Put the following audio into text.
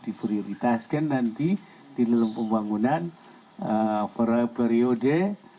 diprioritaskan nanti di dalam pembangunan periode